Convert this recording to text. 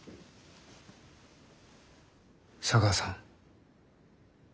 茶川さん。